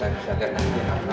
terus kita buka company profile